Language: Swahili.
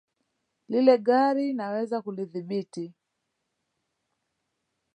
Lile gari naweza kulidhibiti